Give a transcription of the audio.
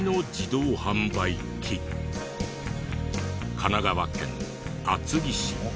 神奈川県厚木市。